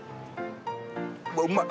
あうまい！